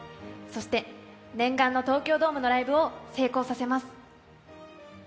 そして念願の東京ドームのライブを成功させます。